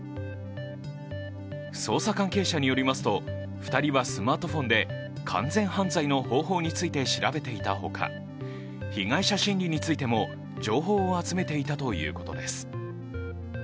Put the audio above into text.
捜査関係者によりますと２人はスマートフォンで完全犯罪の方法について調べていたほか被害者心理についても情報を集めていたということです。